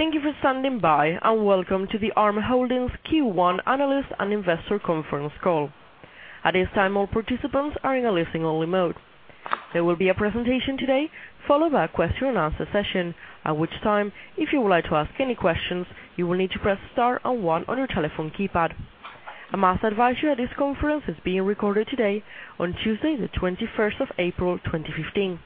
Thank you for standing by, and welcome to the Arm Holdings Q1 Analyst and Investor Conference Call. At this time, all participants are in a listen only mode. There will be a presentation today, followed by a question and answer session, at which time, if you would like to ask any questions, you will need to press star and one on your telephone keypad. I must advise you that this conference is being recorded today on Tuesday the 21st of April, 2015.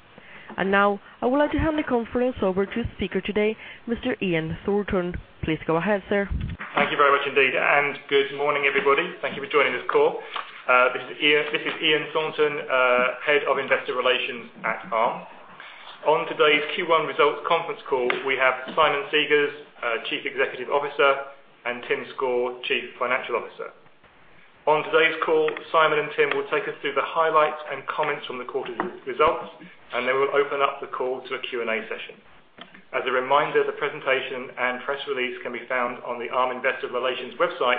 Now, I would like to hand the conference over to speaker today, Mr. Ian Thornton. Please go ahead, sir. Thank you very much indeed. Good morning, everybody. Thank you for joining this call. This is Ian Thornton, Head of Investor Relations at Arm. On today's Q1 results conference call, we have Simon Segars, Chief Executive Officer, and Tim Score, Chief Financial Officer. On today's call, Simon and Tim will take us through the highlights and comments from the quarter's results. Then we'll open up the call to a Q&A session. As a reminder, the presentation and press release can be found on the Arm investor relations website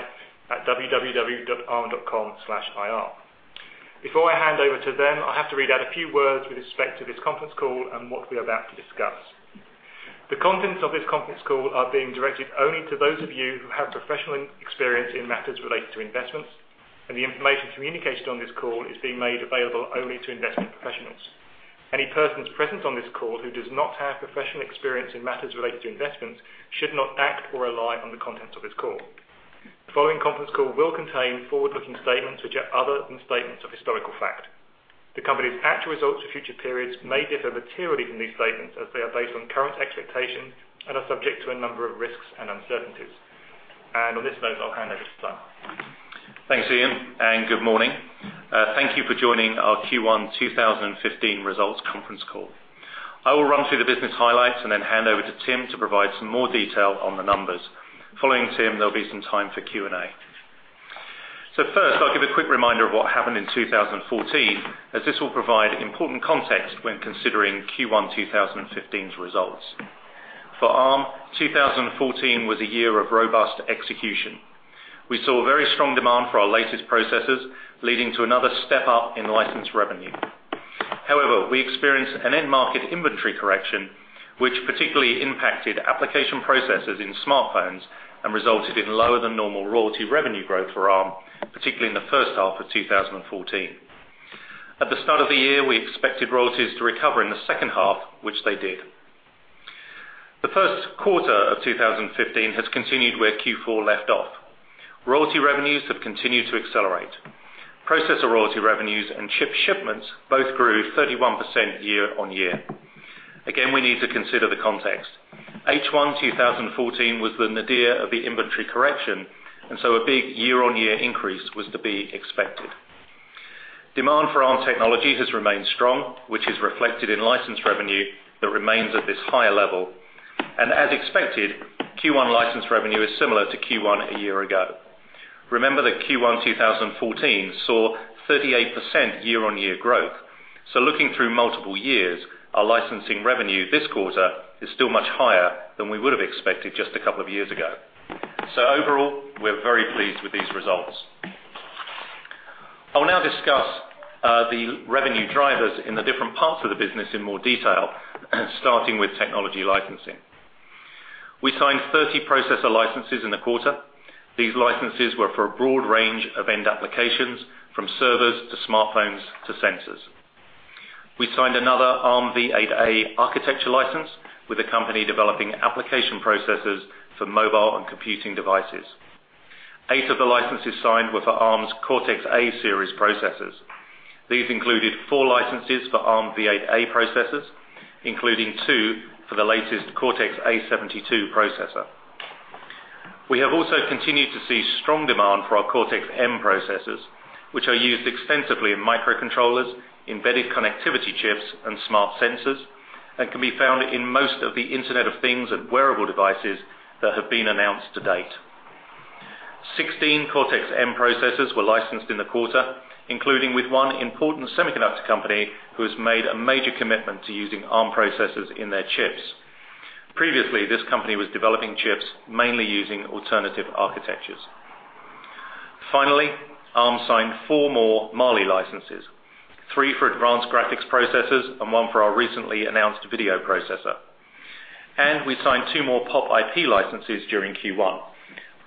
at www.arm.com/ir. Before I hand over to them, I have to read out a few words with respect to this conference call and what we are about to discuss. The contents of this conference call are being directed only to those of you who have professional experience in matters related to investments. The information communicated on this call is being made available only to investment professionals. Any persons present on this call who does not have professional experience in matters related to investments should not act or rely on the contents of this call. The following conference call will contain forward-looking statements which are other than statements of historical fact. The company's actual results for future periods may differ materially from these statements as they are based on current expectations and are subject to a number of risks and uncertainties. On this note, I'll hand over to Simon. Thanks, Ian. Good morning. Thank you for joining our Q1 2015 results conference call. I will run through the business highlights. Then hand over to Tim to provide some more detail on the numbers. Following Tim, there'll be some time for Q&A. First, I'll give a quick reminder of what happened in 2014, as this will provide important context when considering Q1 2015's results. For Arm, 2014 was a year of robust execution. We saw very strong demand for our latest processors, leading to another step up in license revenue. However, we experienced an end market inventory correction, which particularly impacted application processors in smartphones and resulted in lower than normal royalty revenue growth for Arm, particularly in the first half of 2014. At the start of the year, we expected royalties to recover in the second half, which they did. The first quarter of 2015 has continued where Q4 left off. Royalty revenues have continued to accelerate. Processor royalty revenues and chip shipments both grew 31% year-on-year. Again, we need to consider the context. H1 2014 was the nadir of the inventory correction, so a big year-on-year increase was to be expected. Demand for Arm technology has remained strong, which is reflected in license revenue that remains at this higher level. As expected, Q1 license revenue is similar to Q1 a year ago. Remember that Q1 2014 saw 38% year-on-year growth. Looking through multiple years, our licensing revenue this quarter is still much higher than we would have expected just a couple of years ago. Overall, we're very pleased with these results. I will now discuss the revenue drivers in the different parts of the business in more detail, starting with technology licensing. We signed 30 processor licenses in the quarter. These licenses were for a broad range of end applications, from servers to smartphones to sensors. We signed another ARMv8-A architecture license with a company developing application processors for mobile and computing devices. Eight of the licenses signed were for Arm's Cortex-A series processors. These included four licenses for ARMv8-A processors, including two for the latest Cortex-A72 processor. We have also continued to see strong demand for our Cortex-M processors, which are used extensively in microcontrollers, embedded connectivity chips, and smart sensors, and can be found in most of the Internet of Things and wearable devices that have been announced to date. 16 Cortex-M processors were licensed in the quarter, including with one important semiconductor company who has made a major commitment to using Arm processors in their chips. Previously, this company was developing chips mainly using alternative architectures. Finally, Arm signed four more Mali licenses, three for advanced graphics processors and one for our recently announced video processor. We signed two more POP IP licenses during Q1.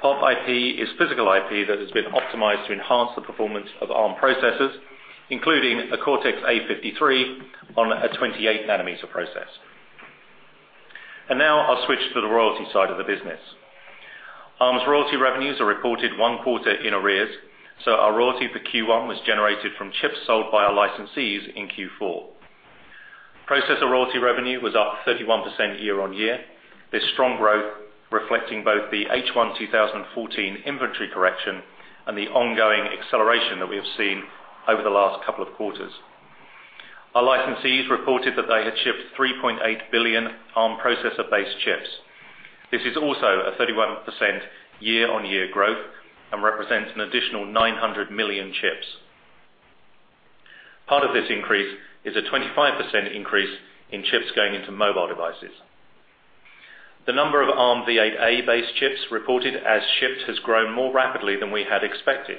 POP IP is physical IP that has been optimized to enhance the performance of Arm processors, including a Cortex-A53 on a 28 nanometer process. Now I'll switch to the royalty side of the business. Arm's royalty revenues are reported one quarter in arrears, so our royalty for Q1 was generated from chips sold by our licensees in Q4. Processor royalty revenue was up 31% year-on-year. This strong growth reflecting both the H1 2014 inventory correction and the ongoing acceleration that we have seen over the last couple of quarters. Our licensees reported that they had shipped 3.8 billion Arm processor-based chips. This is also a 31% year-on-year growth and represents an additional 900 million chips. Part of this increase is a 25% increase in chips going into mobile devices. The number of ARMv8-A based chips reported as shipped has grown more rapidly than we had expected.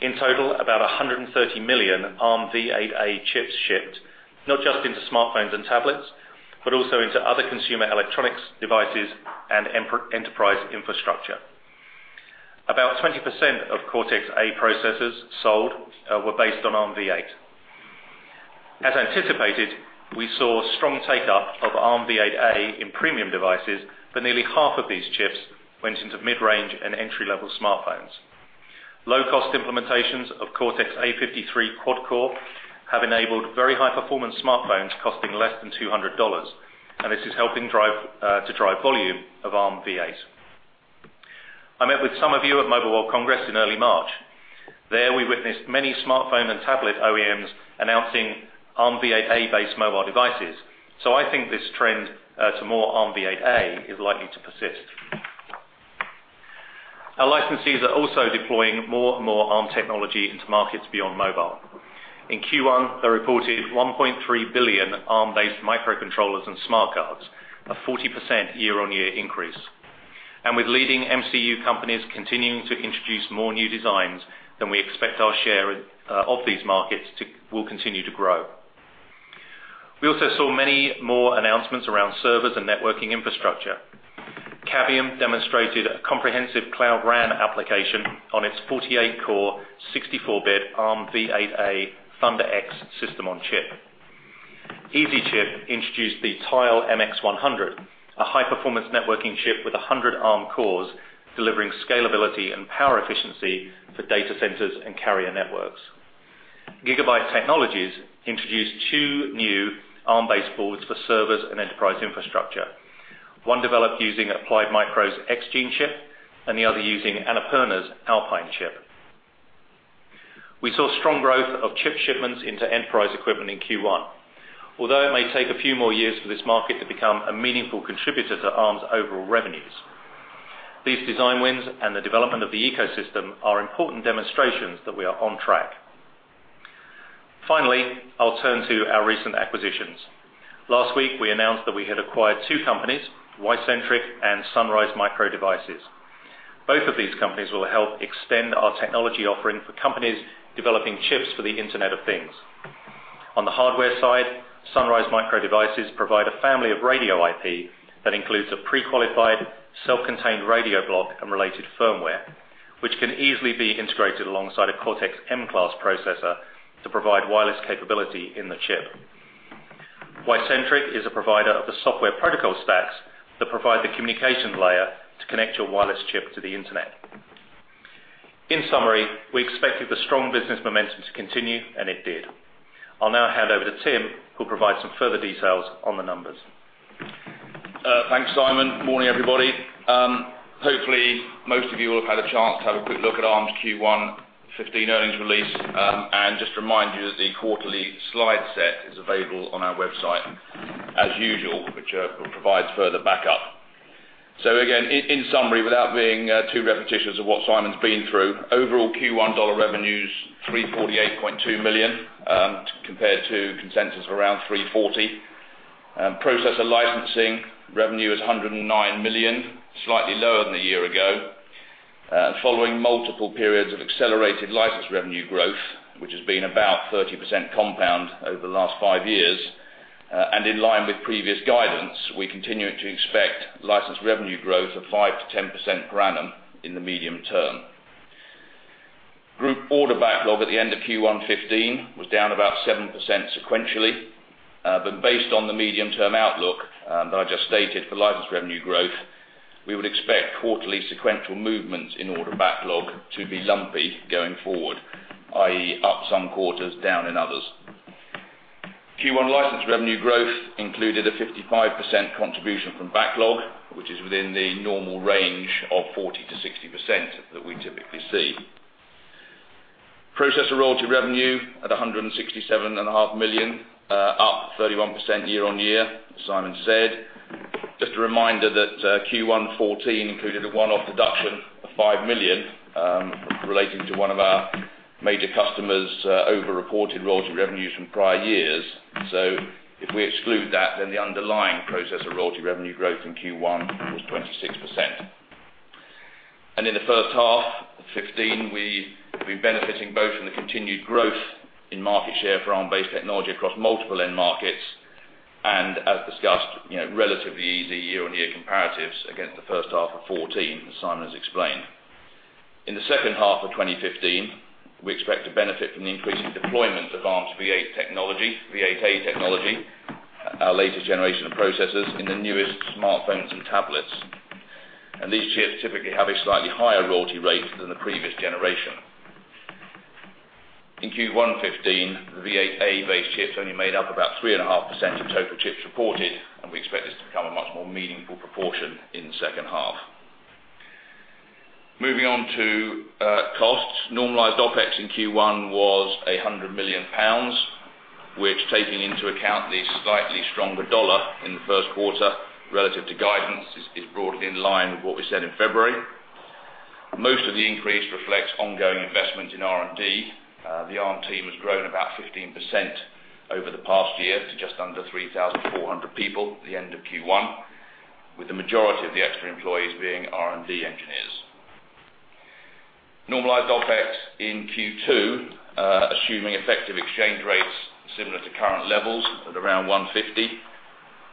In total, about 130 million ARMv8-A chips shipped, not just into smartphones and tablets, but also into other consumer electronics devices and enterprise infrastructure. About 20% of Cortex-A processors sold were based on ARMv8. As anticipated, we saw strong take-up of ARMv8-A in premium devices, but nearly half of these chips went into mid-range and entry-level smartphones. Low cost implementations of Cortex-A53 quad-core have enabled very high performance smartphones costing less than GBP 200, and this is helping to drive volume of ARMv8. I met with some of you at Mobile World Congress in early March. There we witnessed many smartphone and tablet OEMs announcing ARMv8-A based mobile devices. I think this trend to more ARMv8-A is likely to persist. Our licensees are also deploying more and more Arm technology into markets beyond mobile. In Q1, they reported 1.3 billion Arm-based microcontrollers and smart cards, a 40% year-on-year increase. With leading MCU companies continuing to introduce more new designs, we expect our share of these markets will continue to grow. We also saw many more announcements around servers and networking infrastructure. Cavium demonstrated a comprehensive Cloud RAN application on its 48 core, 64-bit ARMv8-A ThunderX system on chip. EZchip introduced the TILE-Mx100, a high performance networking chip with 100 Arm cores, delivering scalability and power efficiency for data centers and carrier networks. Gigabyte Technologies introduced two new Arm-based boards for servers and enterprise infrastructure. One developed using Applied Micro's X-Gene chip and the other using Annapurna's Alpine chip. We saw strong growth of chip shipments into enterprise equipment in Q1. Although it may take a few more years for this market to become a meaningful contributor to Arm's overall revenues. These design wins and the development of the ecosystem are important demonstrations that we are on track. Finally, I'll turn to our recent acquisitions. Last week, we announced that we had acquired two companies, Wicentric and Sunrise Micro Devices. Both of these companies will help extend our technology offering for companies developing chips for the Internet of Things. On the hardware side, Sunrise Micro Devices provide a family of radio IP that includes a prequalified, self-contained radio block and related firmware, which can easily be integrated alongside a Cortex-M class processor to provide wireless capability in the chip. Wicentric is a provider of the software protocol stacks that provide the communication layer to connect your wireless chip to the internet. In summary, we expected the strong business momentum to continue, and it did. I'll now hand over to Tim, who'll provide some further details on the numbers. Thanks, Simon. Morning, everybody. Hopefully, most of you will have had a chance to have a quick look at Arm's Q1 2015 earnings release. Just to remind you that the quarterly slide set is available on our website as usual, which provides further backup. Again, in summary, without being too repetitious of what Simon's been through, overall Q1 dollar revenues, $348.2 million compared to consensus of around $340 million. Processor licensing revenue is 109 million, slightly lower than a year ago. Following multiple periods of accelerated license revenue growth, which has been about 30% compound over the last five years. In line with previous guidance, we continue to expect license revenue growth of 5%-10% per annum in the medium term. Group order backlog at the end of Q1 2015 was down about 7% sequentially. Based on the medium-term outlook that I just stated for license revenue growth, we would expect quarterly sequential movements in order backlog to be lumpy going forward, i.e., up some quarters, down in others. Q1 license revenue growth included a 55% contribution from backlog, which is within the normal range of 40%-60% that we typically see. Processor royalty revenue at 167.5 million, up 31% year-on-year, as Simon said. Just a reminder that Q1 2014 included a one-off deduction of 5 million relating to one of our major customers' over reported royalty revenues from prior years. If we exclude that, then the underlying processor royalty revenue growth in Q1 was 26%. In the first half of 2015, we've been benefiting both from the continued growth in market share for Arm-based technology across multiple end markets and as discussed, relatively easy year-on-year comparatives against the first half of 2014, as Simon has explained. In the second half of 2015, we expect to benefit from the increasing deployment of Arm's Armv8 technology, ARMv8-A technology, our latest generation of processors in the newest smartphones and tablets. These chips typically have a slightly higher royalty rate than the previous generation. In Q1 2015, ARMv8-A based chips only made up about 3.5% of total chips reported, and we expect this to become a much more meaningful proportion in the second half. Moving on to costs. Normalized OPEX in Q1 was 100 million pounds, which taking into account the slightly stronger dollar in the first quarter relative to guidance, is broadly in line with what we said in February. Most of the increase reflects ongoing investment in R&D. The Arm team has grown about 15% over the past year to just under 3,400 people at the end of Q1. With the majority of the extra employees being R&D engineers. Normalized OPEX in Q2, assuming effective exchange rates similar to current levels of around 150,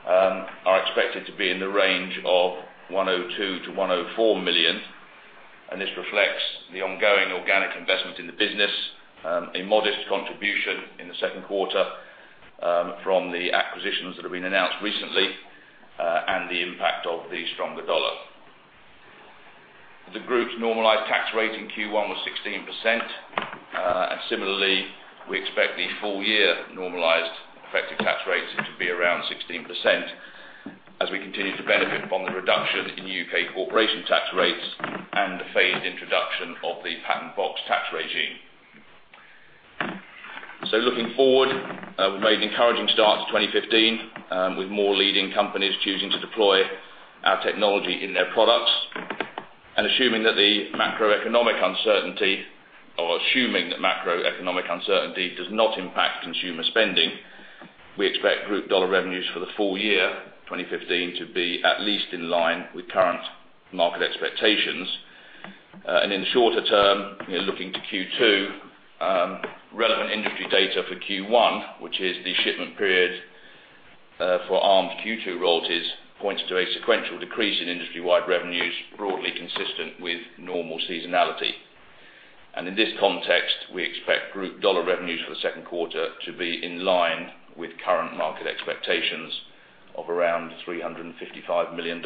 are expected to be in the range of $102 million-$104 million. This reflects the ongoing organic investment in the business, a modest contribution in the second quarter from the acquisitions that have been announced recently, and the impact of the stronger dollar. The group's normalized tax rate in Q1 was 16%. Similarly, we expect the full year normalized effective tax rates to be around 16%, as we continue to benefit from the reduction in U.K. corporation tax rates and the phased introduction of the patent box tax regime. Looking forward, we've made an encouraging start to 2015, with more leading companies choosing to deploy our technology in their products. Assuming that the macroeconomic uncertainty, or assuming that macroeconomic uncertainty does not impact consumer spending, we expect group dollar revenues for the full year 2015 to be at least in line with current market expectations. In the shorter term, looking to Q2, relevant industry data for Q1, which is the shipment period for Arm's Q2 royalties, points to a sequential decrease in industry-wide revenues, broadly consistent with normal seasonality. In this context, we expect group dollar revenues for the second quarter to be in line with current market expectations of around $355 million.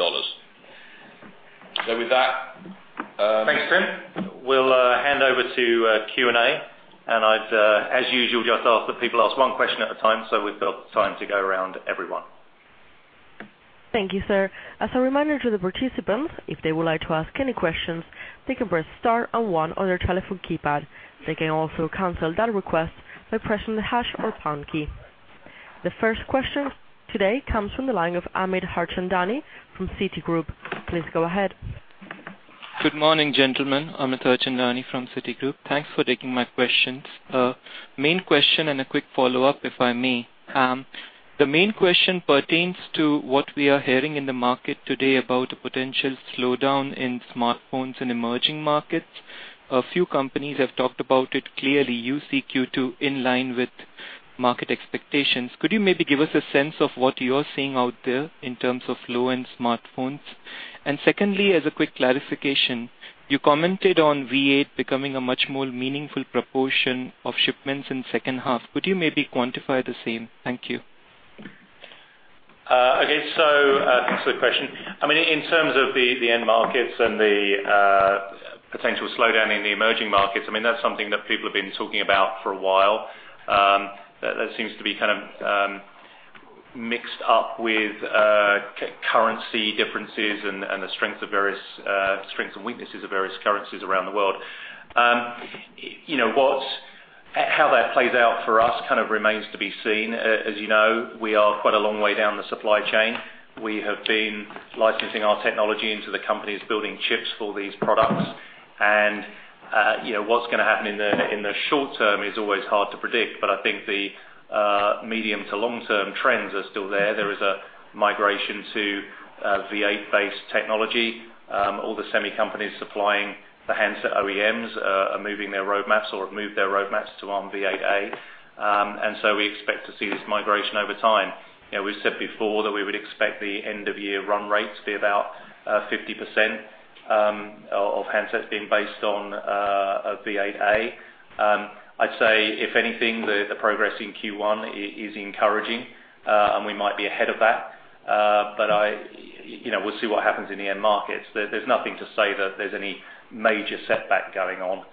With that, thanks, Tim. We'll hand over to Q&A. I'd, as usual, just ask that people ask one question at a time so we've got time to go around everyone. Thank you, sir. As a reminder to the participants, if they would like to ask any questions, they can press star and one on their telephone keypad. They can also cancel that request by pressing the hash or pound key. The first question today comes from the line of Amit Harchandani from Citigroup. Please go ahead. Good morning, gentlemen. Amit Harchandani from Citigroup. Thanks for taking my questions. Main question and a quick follow-up, if I may. The main question pertains to what we are hearing in the market today about a potential slowdown in smartphones in emerging markets. A few companies have talked about it clearly. You see Q2 in line with market expectations. Could you maybe give us a sense of what you're seeing out there in terms of low-end smartphones? Secondly, as a quick clarification, you commented on Armv8 becoming a much more meaningful proportion of shipments in the second half. Could you maybe quantify the same? Thank you. Okay. Thanks for the question. In terms of the end markets and the potential slowdown in the emerging markets, that's something that people have been talking about for a while. That seems to be kind of mixed up with currency differences and the strengths and weaknesses of various currencies around the world. How that plays out for us kind of remains to be seen. As you know, we are quite a long way down the supply chain. We have been licensing our technology into the companies building chips for these products. What's going to happen in the short term is always hard to predict. I think the medium to long-term trends are still there. There is a migration to Armv8-based technology. All the semi companies supplying the handset OEMs are moving their roadmaps or have moved their roadmaps to ARMv8-A. We expect to see this migration over time. We said before that we would expect the end-of-year run rate to be about 50% of handsets being based on ARMv8-A. I'd say, if anything, the progress in Q1 is encouraging. We might be ahead of that. We'll see what happens in the end markets. There's nothing to say that there's any major setback going on.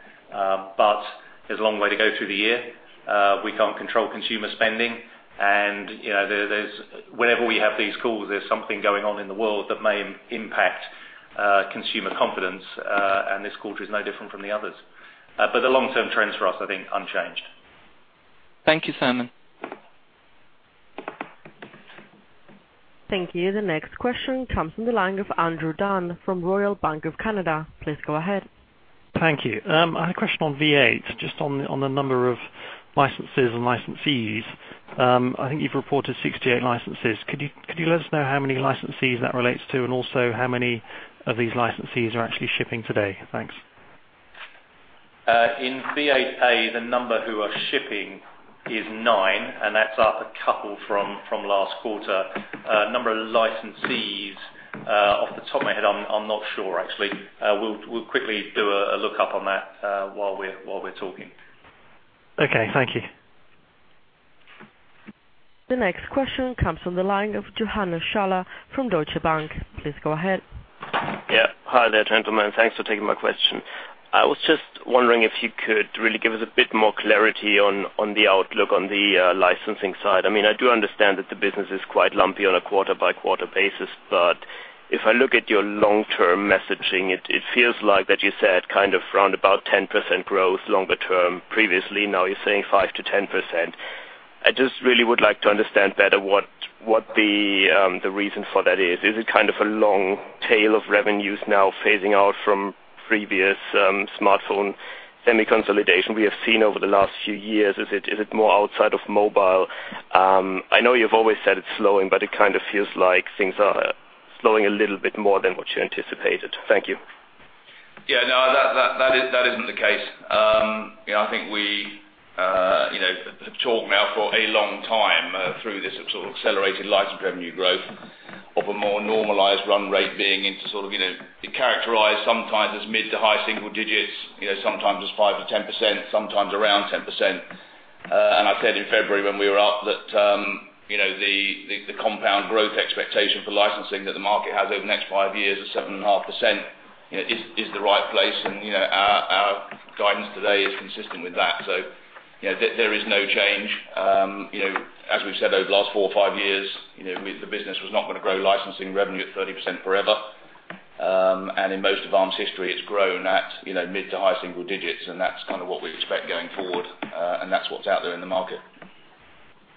There's a long way to go through the year. We can't control consumer spending. Whenever we have these calls, there's something going on in the world that may impact consumer confidence. This quarter is no different from the others. The long-term trends for us, I think, unchanged. Thank you, Simon. Thank you. The next question comes from the line of Andrew Dunn from Royal Bank of Canada. Please go ahead. Thank you. I had a question on Armv8, just on the number of licenses and licensees. I think you've reported 68 licenses. Could you let us know how many licensees that relates to, and also how many of these licensees are actually shipping today? Thanks. In ARMv8-A, the number who are shipping is nine, and that's up a couple from last quarter. Number of licensees, off the top of my head, I'm not sure, actually. We'll quickly do a lookup on that while we're talking. Okay, thank you. The next question comes from the line of Johannes Schaller from Deutsche Bank. Please go ahead. Hi there, gentlemen. Thanks for taking my question. I was just wondering if you could really give us a bit more clarity on the outlook on the licensing side. I do understand that the business is quite lumpy on a quarter-by-quarter basis. If I look at your long-term messaging, it feels like that you said kind of around about 10% growth longer term previously. Now you're saying 5%-10%. I just really would like to understand better what the reason for that is. Is it kind of a long tail of revenues now phasing out from previous smartphone semi consolidation we have seen over the last few years. Is it more outside of mobile? I know you've always said it's slowing, it kind of feels like things are slowing a little bit more than what you anticipated. Thank you. No, that isn't the case. I think we have talked now for a long time through this sort of accelerated licensing revenue growth of a more normalized run rate being into sort of characterized sometimes as mid to high single digits, sometimes as 5%-10%, sometimes around 10%. I said in February when we were up that the compound growth expectation for licensing that the market has over the next five years of 7.5% is the right place, and our guidance today is consistent with that. There is no change. As we've said over the last four or five years, the business was not going to grow licensing revenue at 30% forever. In most of Arm's history, it's grown at mid to high single digits, and that's kind of what we expect going forward. That's what's out there in the market.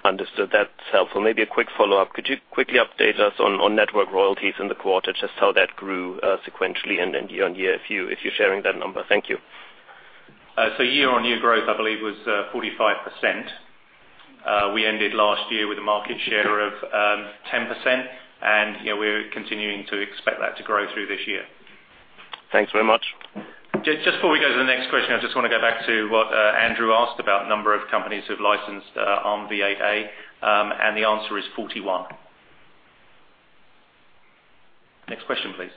Understood. That's helpful. Maybe a quick follow-up. Could you quickly update us on network royalties in the quarter, just how that grew sequentially and year-on-year if you're sharing that number? Thank you. Year-on-year growth, I believe, was 45%. We ended last year with a market share of 10%, and we're continuing to expect that to grow through this year. Thanks very much. Just before we go to the next question, I just want to go back to what Andrew asked about number of companies who have licensed ARMv8-A, and the answer is 41. Next question, please.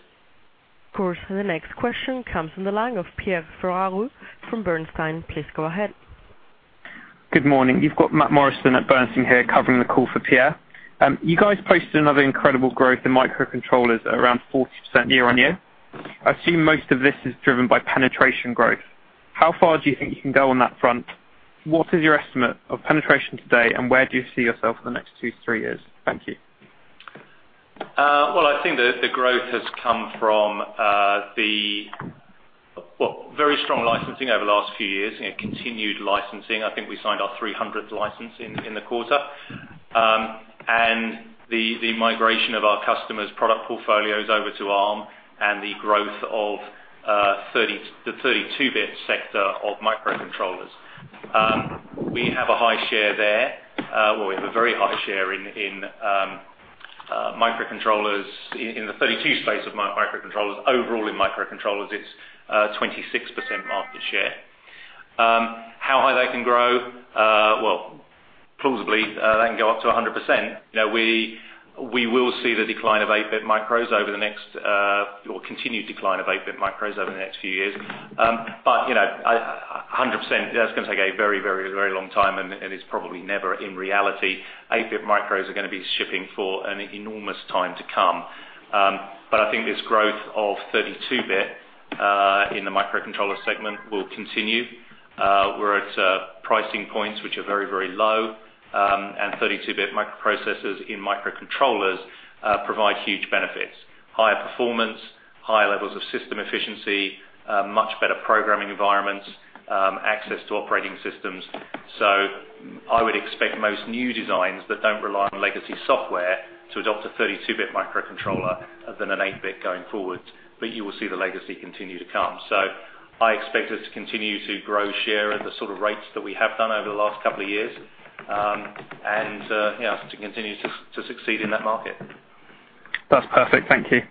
The next question comes on the line of Pierre Ferragu from Bernstein. Please go ahead. Good morning. You've got Matt Morrison at Bernstein here covering the call for Pierre. You guys posted another incredible growth in microcontrollers at around 40% year-over-year. I assume most of this is driven by penetration growth. How far do you think you can go on that front? What is your estimate of penetration today, and where do you see yourself in the next 2 to 3 years? Thank you. Well, I think the growth has come from the very strong licensing over the last few years, continued licensing. I think we signed our 300th license in the quarter. The migration of our customers' product portfolios over to Arm and the growth of the 32-bit sector of microcontrollers. We have a high share there. Well, we have a very high share in the 32 space of microcontrollers. Overall in microcontrollers, it's 26% market share. How high they can grow? Well, plausibly they can go up to 100%. We will see the decline of 8-bit micros or continued decline of 8-bit micros over the next few years. 100%, that's going to take a very long time, and it's probably never in reality. 8-bit micros are going to be shipping for an enormous time to come. I think this growth of 32-bit in the microcontroller segment will continue. We're at pricing points which are very low, 32-bit microprocessors in microcontrollers provide huge benefits. Higher performance, higher levels of system efficiency, much better programming environments, access to operating systems. I would expect most new designs that don't rely on legacy software to adopt a 32-bit microcontroller than an 8-bit going forward. You will see the legacy continue to come. I expect us to continue to grow share at the sort of rates that we have done over the last couple of years, and to continue to succeed in that market. That's perfect. Thank you.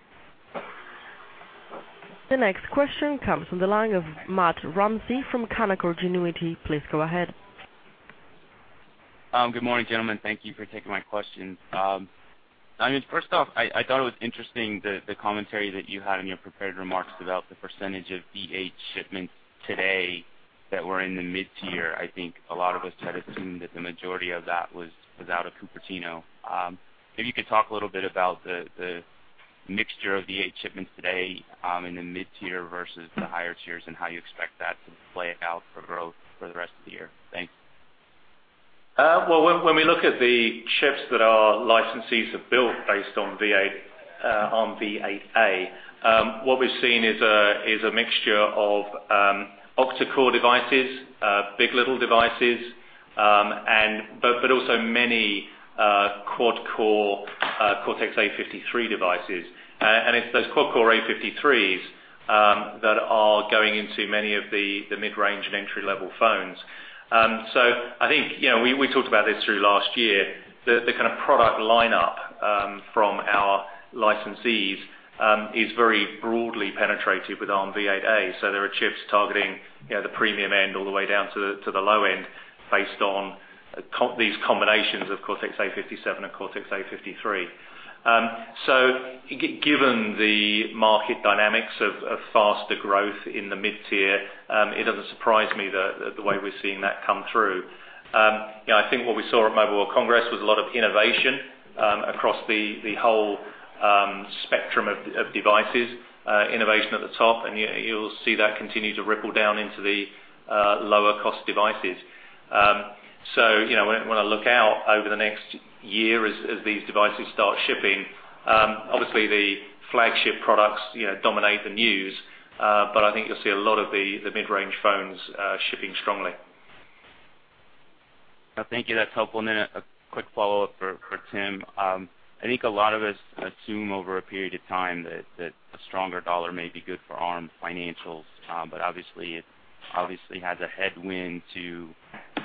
The next question comes from the line of Matt Ramsay from Canaccord Genuity. Please go ahead. Good morning, gentlemen. Thank you for taking my questions. First off, I thought it was interesting the commentary that you had in your prepared remarks about the percentage of v8 shipments today that were in the mid-tier. I think a lot of us had assumed that the majority of that was out of Cupertino. Maybe you could talk a little bit about the mixture of v8 shipments today in the mid-tier versus the higher tiers and how you expect that to play out for growth for the rest of the year. Thanks. When we look at the chips that our licensees have built based on ARMv8-A, what we've seen is a mixture of octa-core devices, big. LITTLE devices, but also many quad-core Cortex-A53 devices. It's those quad-core A53s that are going into many of the mid-range and entry-level phones. I think we talked about this through last year. The kind of product lineup from our licensees is very broadly penetrated with ARMv8-A. There are chips targeting the premium end all the way down to the low end based on these combinations of Cortex-A57 and Cortex-A53. Given the market dynamics of faster growth in the mid-tier, it doesn't surprise me the way we're seeing that come through. I think what we saw at Mobile World Congress was a lot of innovation across the whole spectrum of devices. Innovation at the top, you'll see that continue to ripple down into the lower cost devices. When I look out over the next year as these devices start shipping, obviously the flagship products dominate the news. I think you'll see a lot of the mid-range phones shipping strongly. Thank you. That's helpful. A quick follow-up for Tim. I think a lot of us assume over a period of time that a stronger dollar may be good for Arm financials, obviously it has a headwind to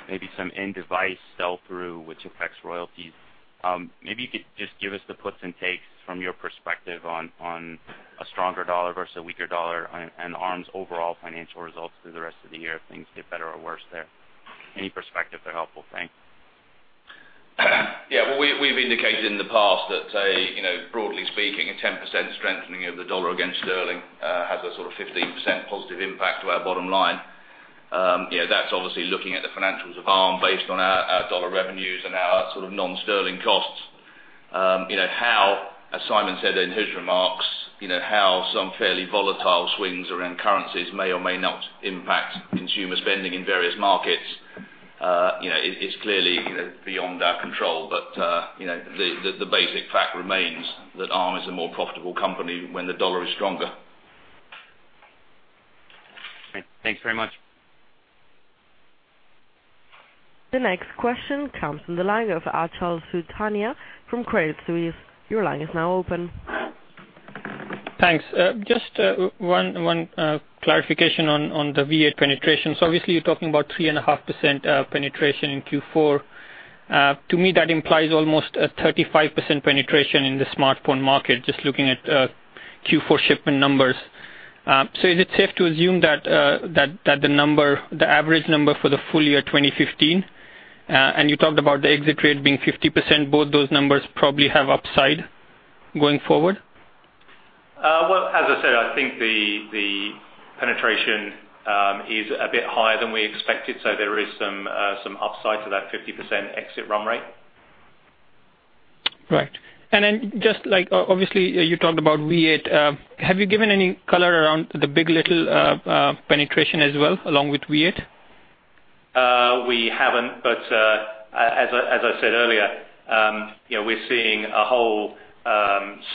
maybe some end device sell-through, which affects royalties. Maybe you could just give us the puts and takes from your perspective on a stronger dollar versus a weaker dollar and Arm's overall financial results through the rest of the year if things get better or worse there. Any perspective, they're helpful. Thanks. We've indicated in the past that broadly speaking, a 10% strengthening of the dollar against sterling has a sort of 15% positive impact to our bottom line. That's obviously looking at the financials of Arm based on our dollar revenues and our sort of non-sterling costs. As Simon said in his remarks, how some fairly volatile swings around currencies may or may not impact consumer spending in various markets, is clearly beyond our control. The basic fact remains that Arm is a more profitable company when the dollar is stronger. Great. Thanks very much. The next question comes from the line of Achal Sultania from Credit Suisse. Your line is now open. Thanks. Just one clarification on the v8 penetration. Obviously you're talking about 3.5% penetration in Q4. To me that implies almost a 35% penetration in the smartphone market, just looking at Q4 shipment numbers. Is it safe to assume that the average number for the full year 2015, and you talked about the exit rate being 50%, both those numbers probably have upside going forward? Well, as I said, I think the penetration is a bit higher than we expected. There is some upside to that 50% exit run rate. Right. Then obviously you talked about Armv8. Have you given any color around the big. LITTLE penetration as well along with Armv8? We haven't, as I said earlier we're seeing a whole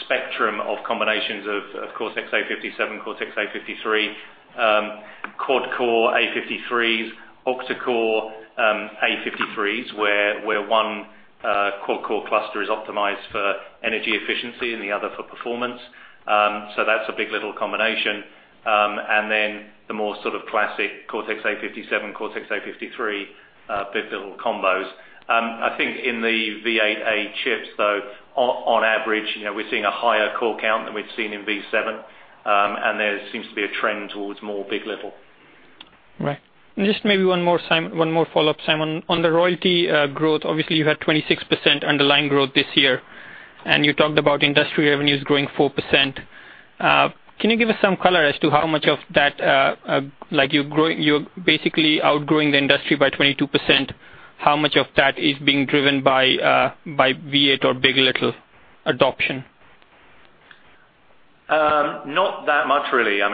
spectrum of combinations of Cortex-A57, Cortex-A53, quad core A53s, octa core A53s, where one quad core cluster is optimized for energy efficiency and the other for performance. That's a big. LITTLE combination. Then the more sort of classic Cortex-A57, Cortex-A53 big. LITTLE combos. I think in the Armv8 chips, though, on average we're seeing a higher core count than we've seen in Armv7. There seems to be a trend towards more big. LITTLE. Right. Just maybe one more follow-up, Simon. On the royalty growth, obviously you had 26% underlying growth this year, you talked about industry revenues growing 4%. Can you give us some color as to how much of that you're basically outgrowing the industry by 22%. How much of that is being driven by Armv8 or big. LITTLE adoption? Not that much, really. When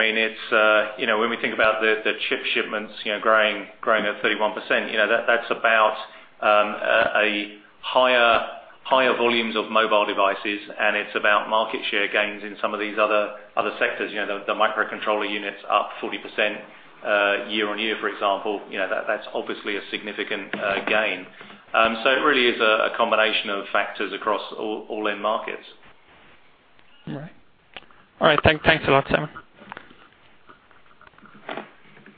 we think about the chip shipments growing at 31%, that's about higher volumes of mobile devices, it's about market share gains in some of these other sectors. The microcontroller units are up 40% year-over-year, for example. That's obviously a significant gain. It really is a combination of factors across all end markets. All right. Thanks a lot, Simon.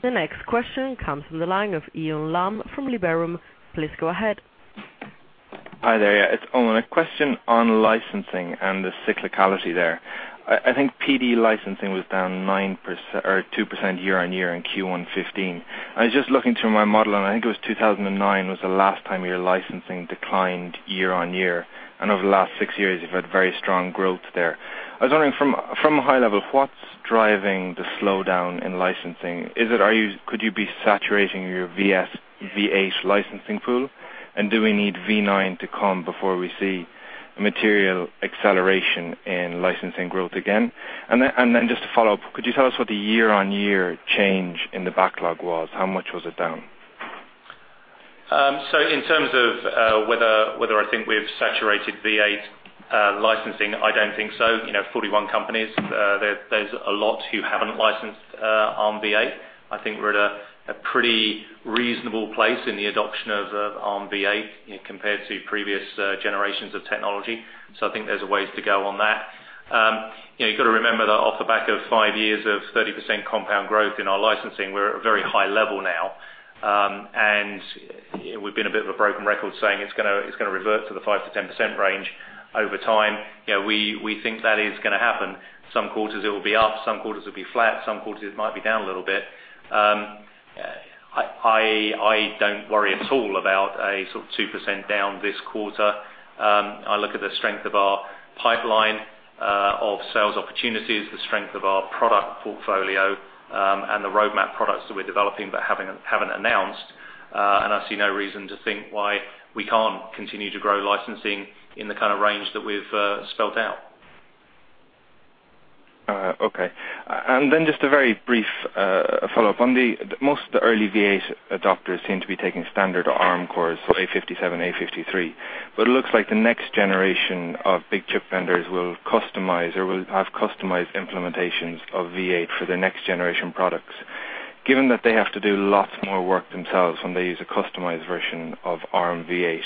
The next question comes from the line of Eoin Lambe from Liberum. Please go ahead. Hi there. Yeah, it's Eoin. A question on licensing and the cyclicality there. I think PD licensing was down 2% year-over-year in Q1 2015. I was just looking through my model, I think it was 2009 was the last time your licensing declined year-over-year. Over the last six years, you've had very strong growth there. I was wondering from a high level, what's driving the slowdown in licensing? Could you be saturating your Armv8 licensing pool? Do we need v9 to come before we see a material acceleration in licensing growth again? Just to follow up, could you tell us what the year-over-year change in the backlog was? How much was it down? In terms of whether I think we've saturated Armv8 licensing, I don't think so. 41 companies, there's a lot who haven't licensed Armv8. I think we're at a pretty reasonable place in the adoption of Armv8 compared to previous generations of technology. I think there's a ways to go on that. You've got to remember that off the back of five years of 30% compound growth in our licensing, we're at a very high level now. We've been a bit of a broken record saying it's going to revert to the 5%-10% range over time. We think that is going to happen. Some quarters it will be up, some quarters it will be flat, some quarters it might be down a little bit. I don't worry at all about a sort of 2% down this quarter. I look at the strength of our pipeline of sales opportunities, the strength of our product portfolio, and the roadmap products that we're developing but haven't announced. I see no reason to think why we can't continue to grow licensing in the kind of range that we've spelled out. Okay. Just a very brief follow-up. Most of the early Armv8 adopters seem to be taking standard Arm cores, A57, A53. It looks like the next generation of big chip vendors will customize or will have customized implementations of Armv8 for the next generation products. Given that they have to do lots more work themselves when they use a customized version of Armv8,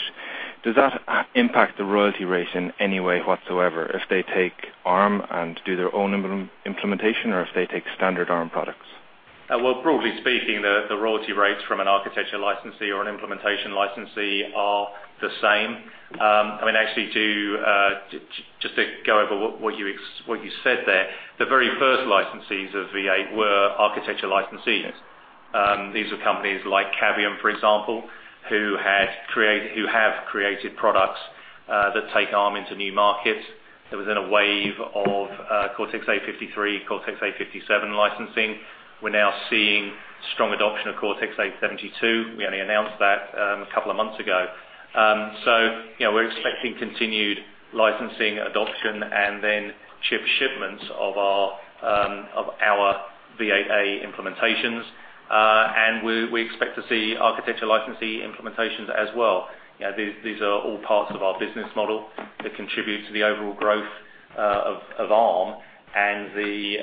does that impact the royalty rate in any way whatsoever if they take Arm and do their own implementation or if they take standard Arm products? Well, broadly speaking, the royalty rates from an architecture licensee or an implementation licensee are the same. Actually, just to go over what you said there, the very first licensees of Armv8 were architecture licensees. These were companies like Cavium, for example, who have created products that take Arm into new markets. It was in a wave of Cortex-A53, Cortex-A57 licensing. We're now seeing strong adoption of Cortex-A72. We only announced that a couple of months ago. We're expecting continued licensing adoption and then shipments of our v8a implementations. We expect to see architecture licensee implementations as well. These are all parts of our business model that contribute to the overall growth of Arm and the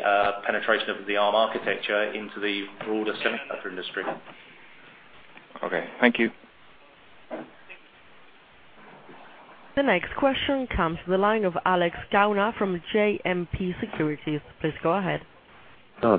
penetration of the Arm architecture into the broader semiconductor industry. Okay, thank you. The next question comes to the line of Alex Gauna from JMP Securities. Please go ahead.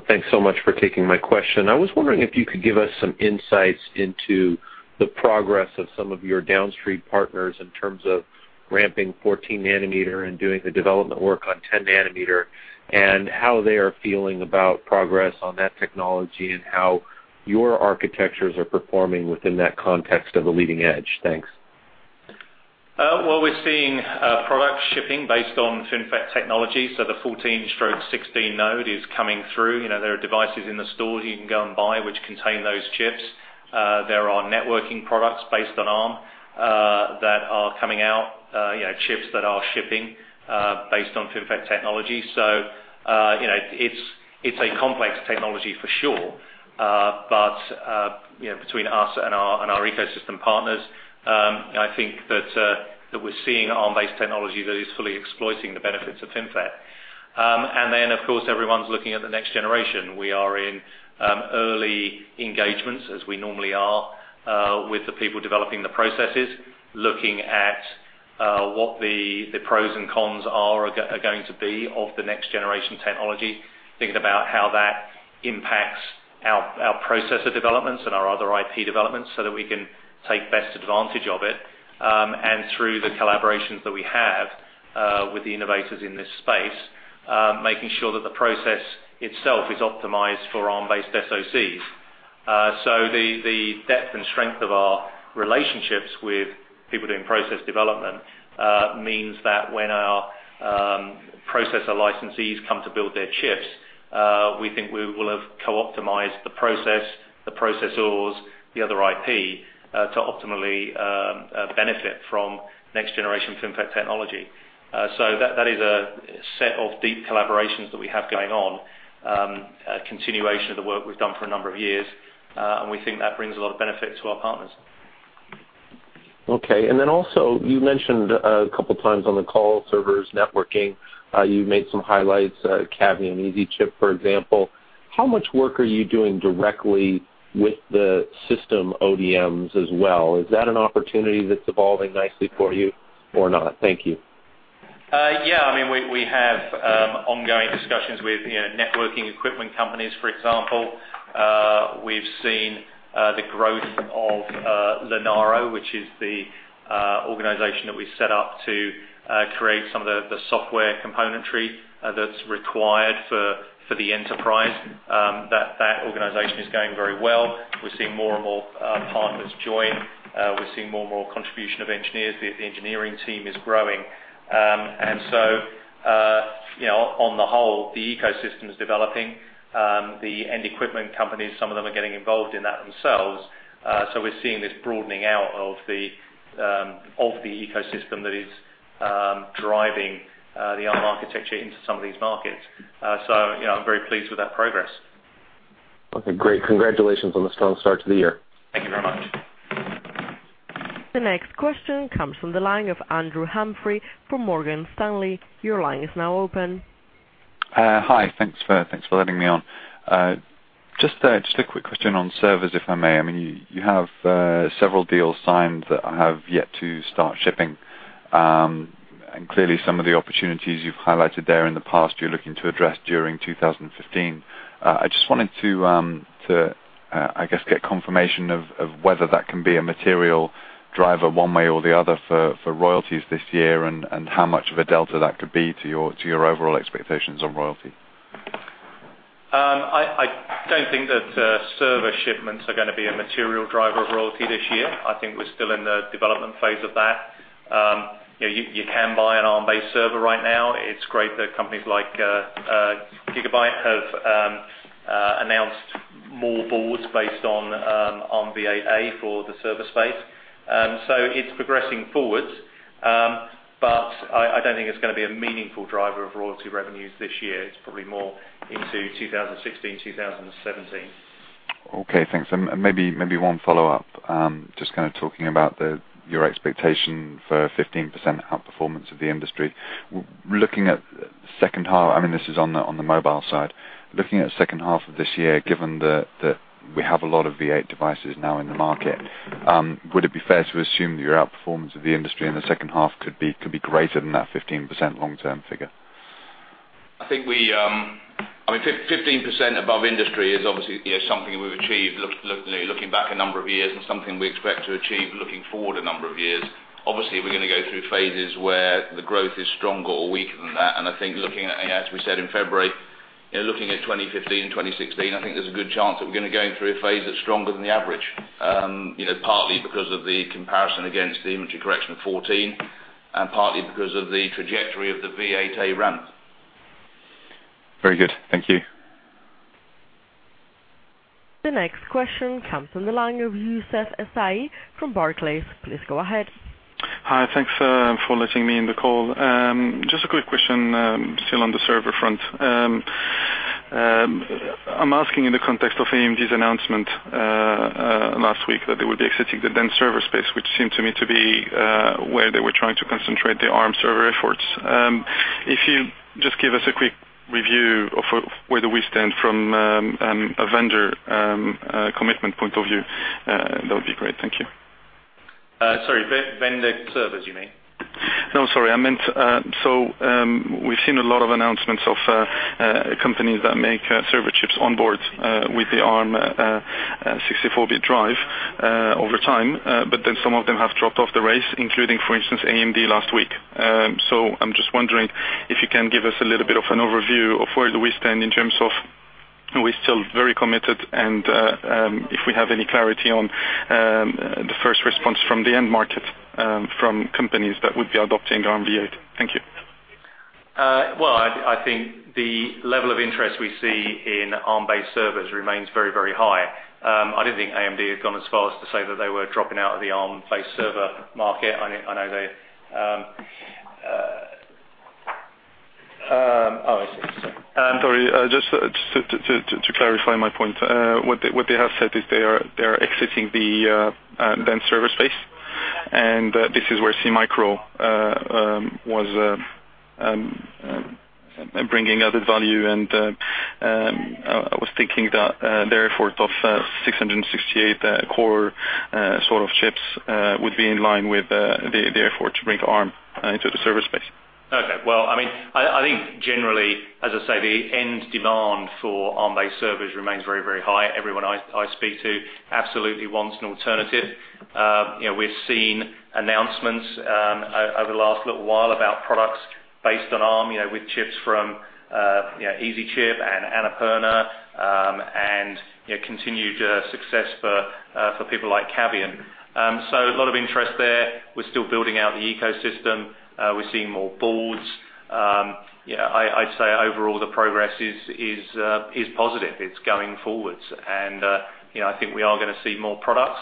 Thanks so much for taking my question. I was wondering if you could give us some insights into the progress of some of your downstream partners in terms of ramping 14-nanometer and doing the development work on 10-nanometer, and how they are feeling about progress on that technology and how your architectures are performing within that context of the leading edge. Thanks. Well, we're seeing product shipping based on FinFET technology, the 14/16 node is coming through. There are devices in the stores you can go and buy which contain those chips. There are networking products based on Arm that are coming out, chips that are shipping based on FinFET technology. It's a complex technology for sure. Between us and our ecosystem partners, I think that we're seeing Arm-based technology that is fully exploiting the benefits of FinFET. Of course, everyone's looking at the next generation. We are in early engagements, as we normally are, with the people developing the processes, looking at what the pros and cons are going to be of the next generation technology. Thinking about how that impacts our processor developments and our other IP developments so that we can take best advantage of it. Through the collaborations that we have with the innovators in this space, making sure that the process itself is optimized for Arm-based SoCs. The depth and strength of our relationships with people doing process development means that when our processor licensees come to build their chips, we think we will have co-optimized the process, the processors, the other IP to optimally benefit from next generation FinFET technology. That is a set of deep collaborations that we have going on, a continuation of the work we've done for a number of years. We think that brings a lot of benefit to our partners. Okay. You mentioned a couple times on the call servers networking. You made some highlights, Cavium EZchip, for example. How much work are you doing directly with the system ODMs as well? Is that an opportunity that's evolving nicely for you or not? Thank you. Yeah. We have ongoing discussions with networking equipment companies, for example. We've seen the growth of Linaro, which is the organization that we set up to create some of the software componentry that's required for the enterprise. That organization is going very well. We're seeing more and more partners join. We're seeing more and more contribution of engineers. The engineering team is growing. On the whole, the ecosystem is developing. The end equipment companies, some of them are getting involved in that themselves. We're seeing this broadening out of the ecosystem that is driving the Arm architecture into some of these markets. I'm very pleased with that progress. Okay, great. Congratulations on the strong start to the year. Thank you very much. The next question comes from the line of Andrew Humphrey from Morgan Stanley. Your line is now open. Hi. Thanks for letting me on. Just a quick question on servers, if I may. You have several deals signed that have yet to start shipping. Clearly some of the opportunities you've highlighted there in the past you're looking to address during 2015. I just wanted to, I guess, get confirmation of whether that can be a material driver one way or the other for royalties this year, and how much of a delta that could be to your overall expectations on royalty. I don't think that server shipments are going to be a material driver of royalty this year. I think we're still in the development phase of that. You can buy an Arm-based server right now. It's great that companies like Gigabyte have announced more boards based on ARMv8-A for the server space. It's progressing forward. I don't think it's going to be a meaningful driver of royalty revenues this year. It's probably more into 2016, 2017. Okay, thanks. Maybe one follow-up. Just kind of talking about your expectation for 15% outperformance of the industry. Looking at Second half, this is on the mobile side. Looking at the second half of this year, given that we have a lot of V8 devices now in the market, would it be fair to assume that your outperformance of the industry in the second half could be greater than that 15% long-term figure? I think 15% above industry is obviously something we've achieved looking back a number of years, something we expect to achieve looking forward a number of years. Obviously, we're going to go through phases where the growth is stronger or weaker than that. I think looking at, as we said in February, looking at 2015 and 2016, I think there's a good chance that we're going to go through a phase that's stronger than the average. Partly because of the comparison against the inventory correction of 2014, partly because of the trajectory of the V8A ramp. Very good. Thank you. The next question comes from the line of Youssef Essaegh from Barclays. Please go ahead. Hi. Thanks for letting me in the call. Just a quick question, still on the server front. I'm asking in the context of AMD's announcement last week that they would be exiting the dense server space, which seemed to me to be where they were trying to concentrate their Arm server efforts. If you just give us a quick review of where do we stand from a vendor commitment point of view, that would be great. Thank you. Sorry, vendor servers, you mean? No, sorry. We've seen a lot of announcements of companies that make server chips on board with the Arm 64-bit drive over time. Some of them have dropped off the race, including, for instance, AMD last week. I'm just wondering if you can give us a little bit of an overview of where do we stand in terms of, are we still very committed, and if we have any clarity on the first response from the end market from companies that would be adopting Armv8. Thank you. Well, I think the level of interest we see in Arm-based servers remains very high. I don't think AMD had gone as far as to say that they were dropping out of the Arm-based server market. I know they Oh, I see. Sorry. Sorry. Just to clarify my point. What they have said is they are exiting the dense server space, this is where SeaMicro was bringing added value, I was thinking that their effort of [668 core] sort of chips would be in line with the effort to bring Arm into the server space. Okay. Well, I think generally, as I say, the end demand for Arm-based servers remains very high. Everyone I speak to absolutely wants an alternative. We've seen announcements over the last little while about products based on Arm, with chips from EZchip and Annapurna, continued success for people like Cavium. A lot of interest there. We're still building out the ecosystem. We're seeing more boards. I'd say overall the progress is positive. It's going forwards. I think we are going to see more products.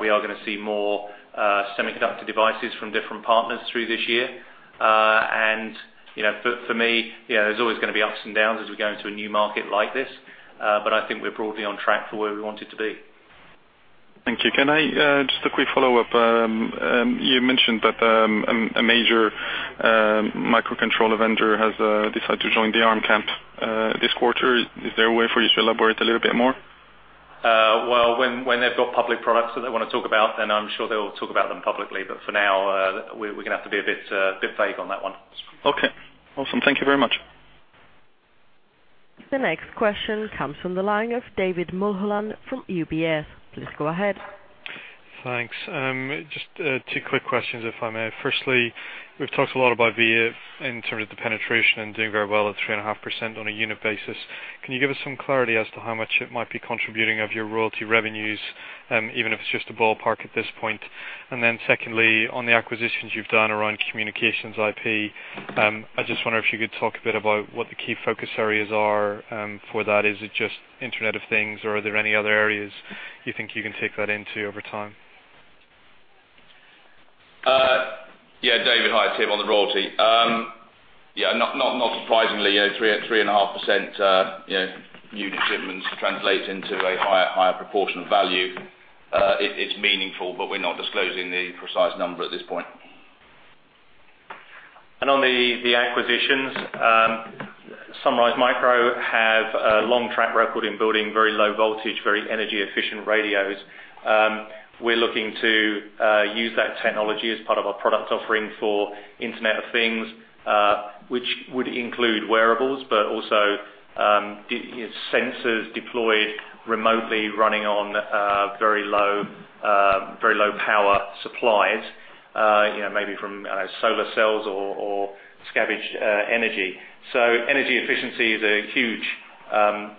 We are going to see more semiconductor devices from different partners through this year. For me, there's always going to be ups and downs as we go into a new market like this. I think we're broadly on track for where we wanted to be. Thank you. Can I just have a quick follow-up. You mentioned that a major microcontroller vendor has decided to join the Arm camp this quarter. Is there a way for you to elaborate a little bit more? Well, when they've got public products that they want to talk about, I'm sure they'll talk about them publicly. For now, we're going to have to be a bit vague on that one. Okay. Awesome. Thank you very much. The next question comes from the line of David Mulholland from UBS. Please go ahead. Thanks. Just two quick questions, if I may. Firstly, we've talked a lot about Armv8 in terms of the penetration and doing very well at 3.5% on a unit basis. Can you give us some clarity as to how much it might be contributing of your royalty revenues, even if it's just a ballpark at this point? Secondly, on the acquisitions you've done around communications IP, I just wonder if you could talk a bit about what the key focus areas are for that. Is it just Internet of Things, or are there any other areas you think you can take that into over time? Yeah. David, hi. Tim on the royalty. Yeah, not surprisingly, 3.5% unit shipments translates into a higher proportion of value. It's meaningful, but we're not disclosing the precise number at this point. On the acquisitions, Sunrise Micro have a long track record in building very low voltage, very energy efficient radios. We're looking to use that technology as part of our product offering for Internet of Things, which would include wearables, but also sensors deployed remotely running on very low power supplies. Maybe from solar cells or scavenged energy. Energy efficiency is a huge driver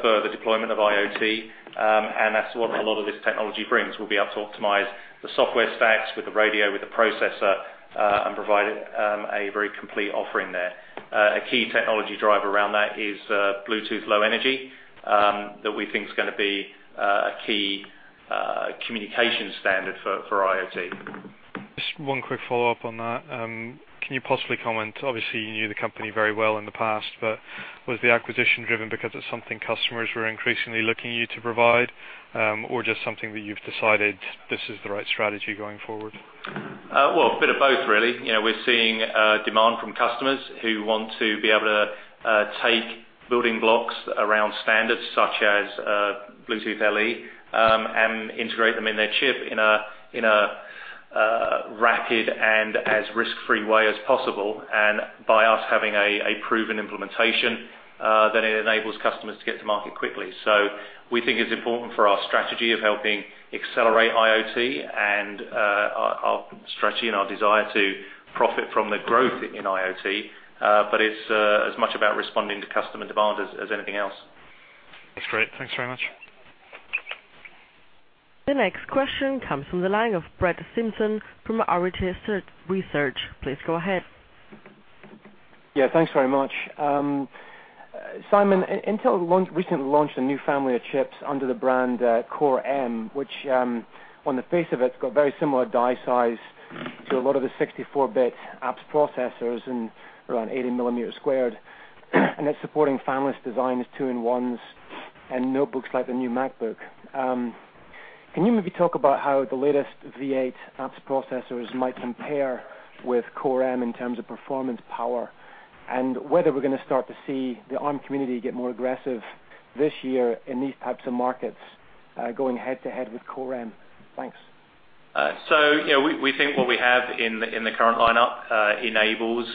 for the deployment of IoT, and that's what a lot of this technology brings. We'll be able to optimize the software stacks with the radio, with the processor, and provide a very complete offering there. A key technology driver around that is Bluetooth Low Energy, that we think is going to be a key communication standard for IoT. Just one quick follow-up on that. Can you possibly comment, obviously you knew the company very well in the past, but was the acquisition driven because it's something customers were increasingly looking you to provide, or just something that you've decided this is the right strategy going forward? Well, a bit of both really. We're seeing demand from customers who want to be able to take building blocks around standards such as Bluetooth LE and integrate them in their chip in a rapid and as risk-free way as possible. By us having a proven implementation, then it enables customers to get to market quickly. We think it's important for our strategy of helping accelerate IoT and our strategy and our desire to profit from the growth in IoT. It's as much about responding to customer demand as anything else. That's great. Thanks very much. The next question comes from the line of Brett Simpson from Arete Research. Please go ahead. Yeah. Thanks very much. Simon, Intel recently launched a new family of chips under the brand Core M, which on the face of it has got very similar die size to a lot of the 64-bit apps processors and around 80 millimeters squared. It's supporting fanless designs, two-in-ones, and notebooks like the new MacBook. Can you maybe talk about how the latest V8 apps processors might compare with Core M in terms of performance power? Whether we're going to start to see the Arm community get more aggressive this year in these types of markets going head to head with Core M. Thanks. We think what we have in the current lineup enables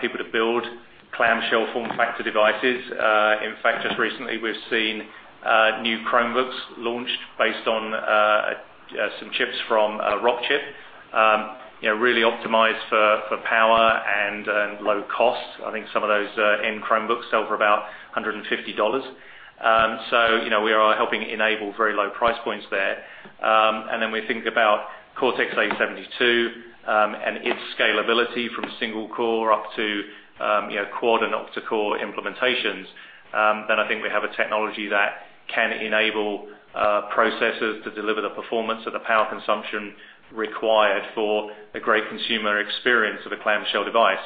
people to build clamshell form factor devices. In fact, just recently we've seen new Chromebooks launched based on some chips from Rockchip really optimized for power and low cost. I think some of those end Chromebooks sell for about $150. We are helping enable very low price points there. We think about Cortex-A72, and its scalability from single core up to quad and octa-core implementations. I think we have a technology that can enable processors to deliver the performance at the power consumption required for a great consumer experience of a clamshell device.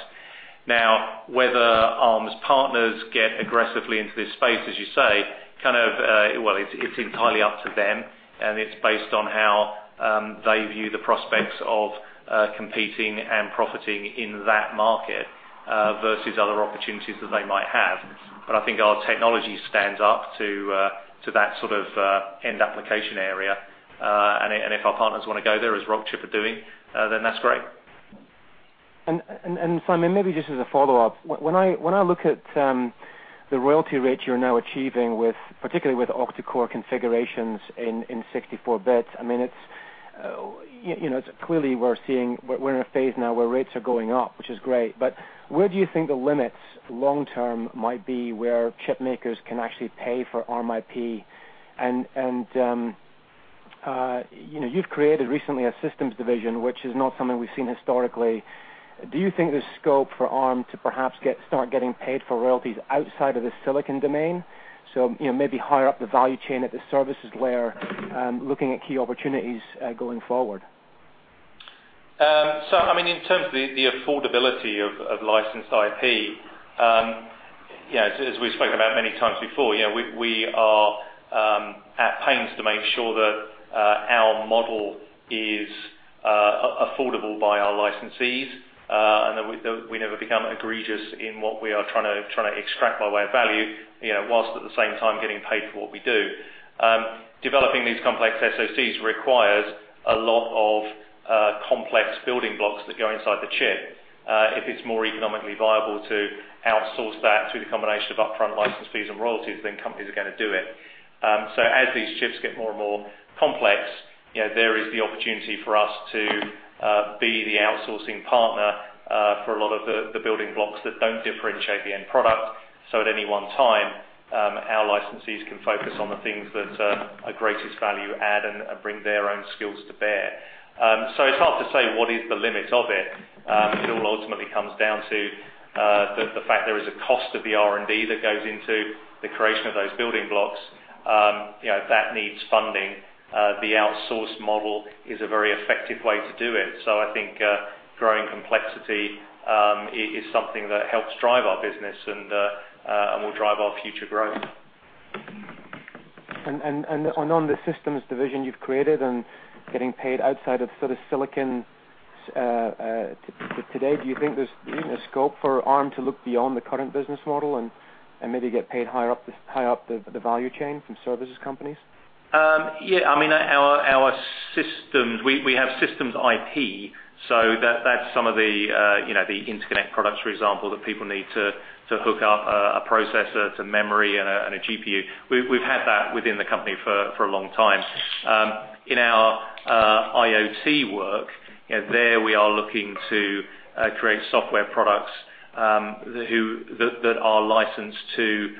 Now, whether Arm's partners get aggressively into this space, as you say, well, it's entirely up to them, and it's based on how they view the prospects of competing and profiting in that market versus other opportunities that they might have. I think our technology stands up to that sort of end application area. If our partners want to go there as Rockchip are doing, then that's great. Simon, maybe just as a follow-up. When I look at the royalty rates you're now achieving particularly with octa-core configurations in 64-bit, it's clearly we're seeing we're in a phase now where rates are going up, which is great. Where do you think the limits long term might be where chip makers can actually pay for Arm IP? You've created recently a systems division, which is not something we've seen historically. Do you think there's scope for Arm to perhaps start getting paid for royalties outside of the silicon domain? Maybe higher up the value chain at the services layer looking at key opportunities going forward. In terms of the affordability of licensed IP, as we've spoken about many times before, we are at pains to make sure that our model is affordable by our licensees and that we never become egregious in what we are trying to extract by way of value, whilst at the same time getting paid for what we do. Developing these complex SoCs requires a lot of complex building blocks that go inside the chip. If it's more economically viable to outsource that through the combination of upfront license fees and royalties, then companies are going to do it. As these chips get more and more complex, there is the opportunity for us to be the outsourcing partner for a lot of the building blocks that don't differentiate the end product. At any one time, our licensees can focus on the things that are greatest value add and bring their own skills to bear. It's hard to say what is the limit of it. It all ultimately comes down to the fact there is a cost of the R&D that goes into the creation of those building blocks. That needs funding. The outsource model is a very effective way to do it. I think growing complexity is something that helps drive our business and will drive our future growth. On the systems division you've created and getting paid outside of sort of silicon today, do you think there's even a scope for Arm to look beyond the current business model and maybe get paid high up the value chain from services companies? Our systems, we have systems IP, so that's some of the interconnect products, for example, that people need to hook up a processor to memory and a GPU. We've had that within the company for a long time. In our IoT work, there we are looking to create software products that are licensed to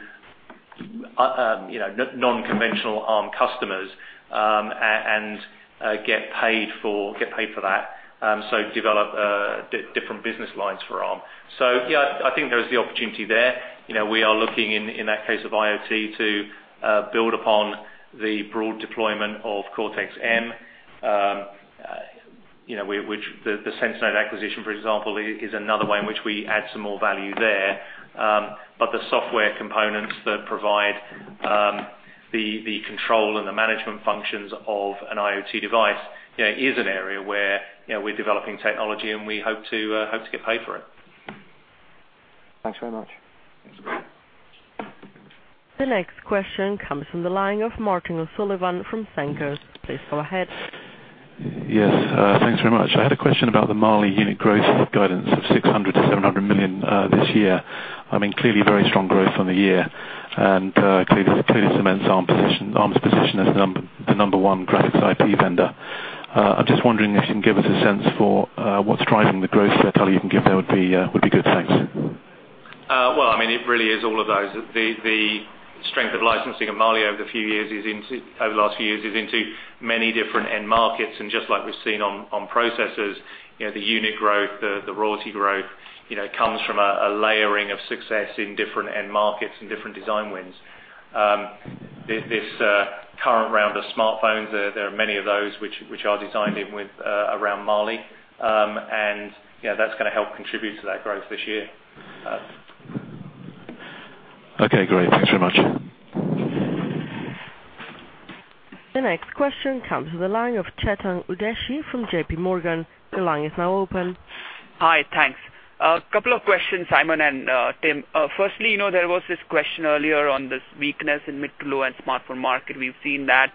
non-conventional Arm customers and get paid for that. Develop different business lines for Arm. Yeah, I think there is the opportunity there. We are looking in that case of IoT to build upon the broad deployment of Cortex-M. The Sensinode acquisition, for example, is another way in which we add some more value there. But the software components that provide the control and the management functions of an IoT device is an area where we're developing technology, and we hope to get paid for it. Thanks very much. Thanks. The next question comes from the line of Martin O'Sullivan from Stifel. Please go ahead. Thanks very much. I had a question about the Mali unit growth guidance of 600 million-700 million this year. Clearly very strong growth on the year, and clearly cements Arm's position as the number 1 graphics IP vendor. I'm just wondering if you can give us a sense for what's driving the growth there. Whatever you can give there would be good. Thanks. Well, it really is all of those. The strength of licensing of Mali over the last few years is into many different end markets. Just like we've seen on processors, the unit growth, the royalty growth, comes from a layering of success in different end markets and different design wins. This current round of smartphones, there are many of those which are designed in with [around Mali]. That's going to help contribute to that growth this year. Okay, great. Thanks very much. The next question comes from the line of Chetan Udeshi from JP Morgan. Your line is now open. Hi, thanks. A couple of questions, Simon and Tim. Firstly, there was this question earlier on this weakness in mid to low-end smartphone market. We've seen that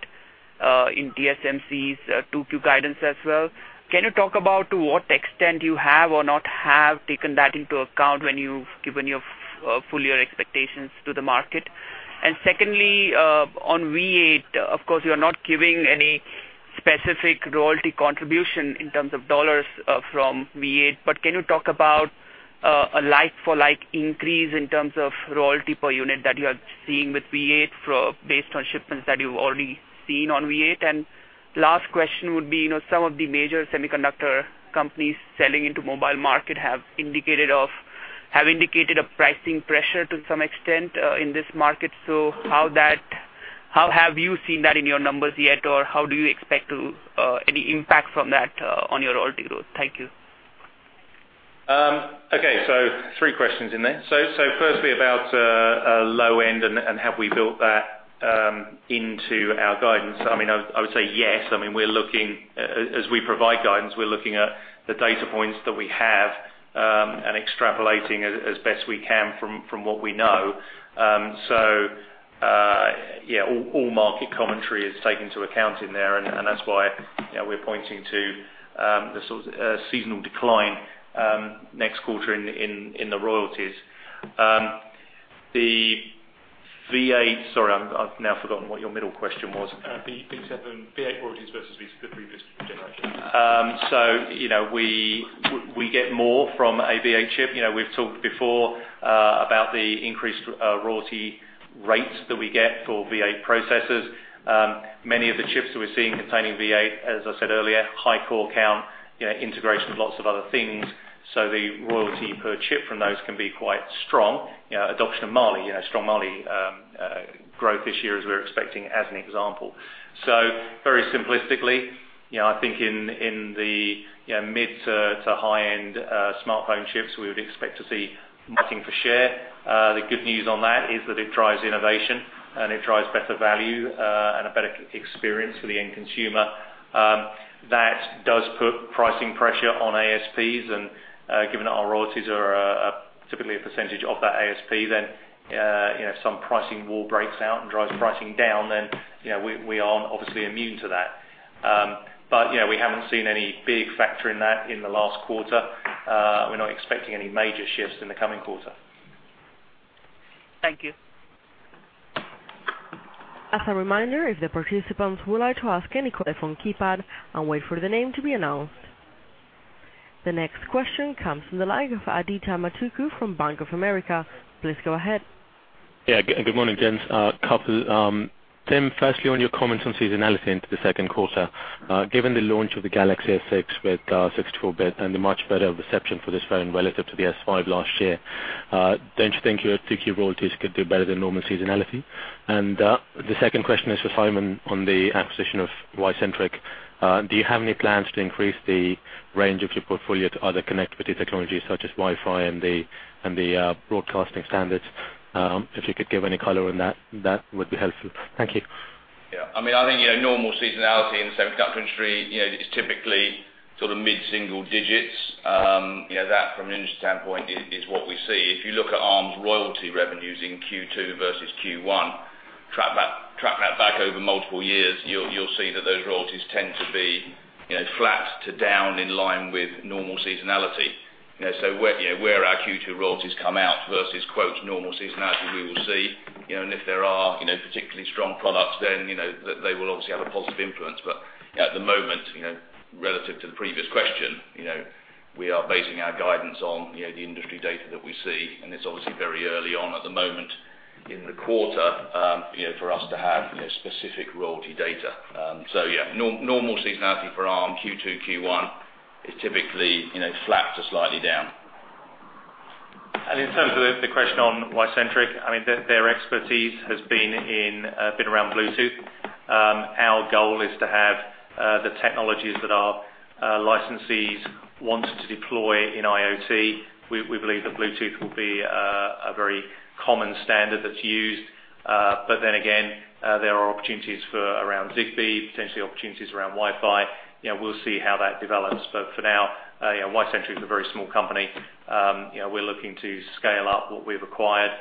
in TSMC's 2Q guidance as well. Can you talk about to what extent you have or not have taken that into account when you've given your full year expectations to the market? Secondly, on V8, of course you're not giving any specific royalty contribution in terms of dollars from V8, but can you talk about a like for like increase in terms of royalty per unit that you are seeing with V8 based on shipments that you've already seen on V8? Last question would be, some of the major semiconductor companies selling into mobile market have indicated a pricing pressure to some extent in this market. How have you seen that in your numbers yet, or how do you expect any impact from that on your royalty growth? Thank you. Okay, three questions in there. Firstly, about low-end and have we built that into our guidance? I would say yes. As we provide guidance, we're looking at the data points that we have, and extrapolating as best we can from what we know. All market commentary is taken into account in there, and that's why we're pointing to the sort of seasonal decline next quarter in the royalties. V7, V8 royalties versus the previous generation. We get more from a V8 chip. We've talked before about the increased royalty rates that we get for V8 processors. Many of the chips that we're seeing containing V8, as I said earlier, high core count, integration with lots of other things. The royalty per chip from those can be quite strong. Adoption of Mali, strong Mali growth this year as we're expecting, as an example. Very simplistically, I think in the mid-to-high-end smartphone chips, we would expect to see vying for share. The good news on that is that it drives innovation and it drives better value, and a better experience for the end consumer. That does put pricing pressure on ASPs, and given that our royalties are typically a % of that ASP then, some pricing war breaks out and drives pricing down, then we aren't obviously immune to that. We haven't seen any big factor in that in the last quarter. We're not expecting any major shifts in the coming quarter. Thank you. As a reminder, if the participants would like to ask any question from keypad and wait for the name to be announced. The next question comes from the line of Aditya Matuku from Bank of America. Please go ahead. Yeah. Good morning, gents. A couple. Tim, firstly on your comments on seasonality into the second quarter. Given the launch of the Galaxy S6 with 64-bit and the much better reception for this phone relative to the S5 last year, don't you think your two key royalties could do better than normal seasonality? The second question is for Simon on the acquisition of Wicentric. Do you have any plans to increase the range of your portfolio to other connectivity technologies such as Wi-Fi and the broadcasting standards? If you could give any color on that would be helpful. Thank you. Yeah. I think normal seasonality in the semiconductor industry is typically mid single digits. That from an industry standpoint is what we see. If you look at Arm's royalty revenues in Q2 versus Q1, track that back over multiple years, you'll see that those royalties tend to be flat to down in line with normal seasonality. Where our Q2 royalties come out versus quote normal seasonality, we will see. If there are particularly strong products, then they will obviously have a positive influence. At the moment, relative to the previous question, we are basing our guidance on the industry data that we see, and it's obviously very early on at the moment in the quarter for us to have specific royalty data. Yeah, normal seasonality for Arm Q2, Q1 is typically flat to slightly down. In terms of the question on Wicentric, their expertise has been around Bluetooth. Our goal is to have the technologies that our licensees want to deploy in IoT. We believe that Bluetooth will be a very common standard that's used. Then again, there are opportunities for around Zigbee, potentially opportunities around Wi-Fi. We'll see how that develops. For now, Wicentric is a very small company. We're looking to scale up what we've acquired,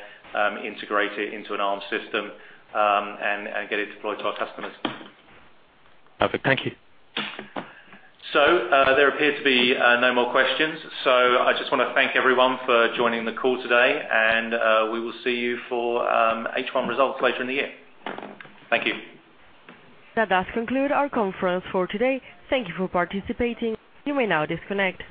integrate it into an Arm system, and get it deployed to our customers. Perfect. Thank you. There appear to be no more questions. I just want to thank everyone for joining the call today, and we will see you for H1 results later in the year. Thank you. That does conclude our conference for today. Thank you for participating. You may now disconnect.